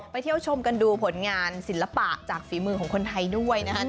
เที่ยวชมกันดูผลงานศิลปะจากฝีมือของคนไทยด้วยนะครับ